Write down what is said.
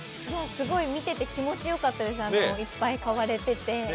すごい見てて気持ちよかったです、いっぱい買われてて。